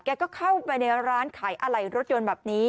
ก็เข้าไปในร้านขายอะไหล่รถยนต์แบบนี้